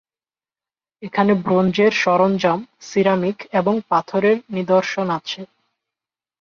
এখানে ব্রোঞ্জের সরঞ্জাম, সিরামিক এবং পাথরের নিদর্শন আছে।